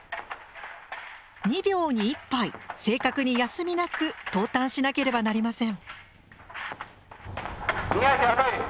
２秒に１杯正確に休みなく投炭しなければなりません。